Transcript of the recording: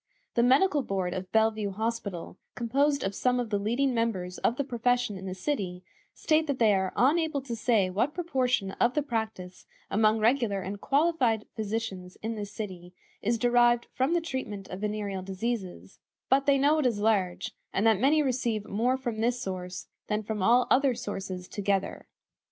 The Medical Board of Bellevue Hospital, composed of some of the leading members of the profession in the city, state that they "are unable to say what proportion of the practice among regular and qualified physicians in this city is derived from the treatment of venereal diseases, but they know it is large, and that many receive more from this source than from all other sources together."